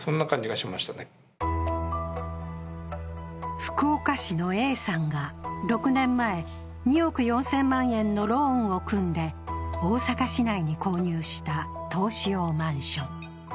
福岡市のＡさんが６年前、２億６０００万円のローンを組んで大阪市内に購入した投資用マンション。